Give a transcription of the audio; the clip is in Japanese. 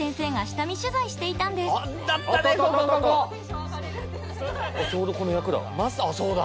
あっちょうどこの役だな。